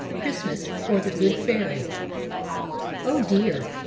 CHRISTMAS; OR, THE GOOD FAIRY. "O, dear!